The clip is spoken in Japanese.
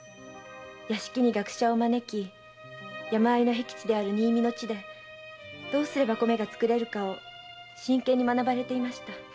屋敷に学者を招き山間の僻地である新見の地でどうすれば米が作れるかを真剣に学ばれていました。